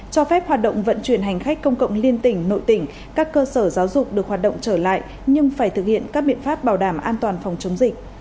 cho phép hoạt động vận chuyển hành khách công cộng liên tỉnh nội tỉnh các cơ sở giáo dục được hoạt động trở lại nhưng phải thực hiện các biện pháp bảo đảm an toàn phòng chống dịch